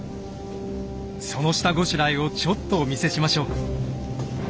その下ごしらえをちょっとお見せしましょう。